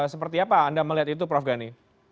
seperti apa anda melihat itu prof gani